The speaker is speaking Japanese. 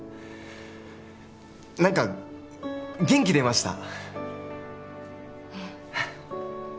何か元気出ました